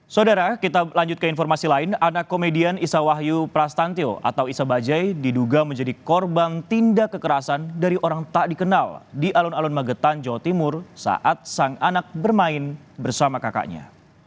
saudara kita lanjut ke informasi lain anak komedian isa wahyu prastantil atau isa bajai diduga menjadi korban tindak kekerasan dari orang tak dikenal di alun alun magetan jawa timur saat sang anak bermain bersama kakaknya